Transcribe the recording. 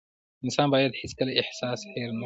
انسان بايد هيڅکله احسان هېر نه کړي .